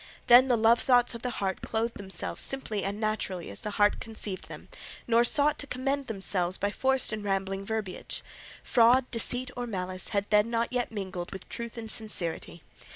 Then the love thoughts of the heart clothed themselves simply and naturally as the heart conceived them, nor sought to commend themselves by forced and rambling verbiage. Fraud, deceit, or malice had then not yet mingled with truth and sincerity.